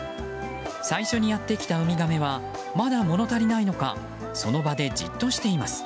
最初にやってきたウミガメはまだ物足りないのかその場でじっとしています。